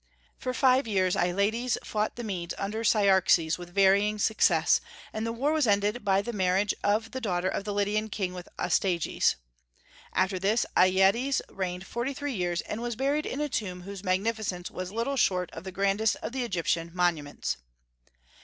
For five years Alyattes fought the Medes under Cyaxares with varying success, and the war ended by the marriage of the daughter of the Lydian king with Astyages. After this, Alyattes reigned forty three years, and was buried in a tomb whose magnificence was little short of the grandest of the Egyptian monuments.